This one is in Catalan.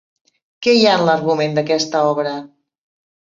Què hi ha en l'argument d'aquesta obra?